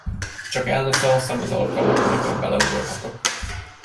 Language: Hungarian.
Csak el ne szalasszam az alkalmat, amikor beleugorhatok!